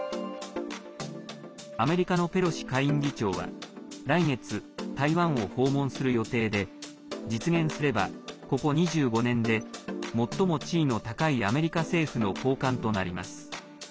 アメリカのペロシ下院議長は来月、台湾を訪問する予定で実現すれば、ここ２５年で最も地位の高いアメリカ政府の高官となります。